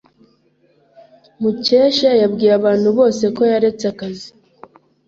Mukesha yabwiye abantu bose ko yaretse akazi.